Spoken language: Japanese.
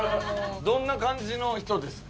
どんな感じの人ですか？